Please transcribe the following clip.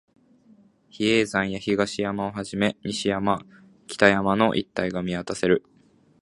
比叡山や東山をはじめ、西山、北山の一帯が見渡せる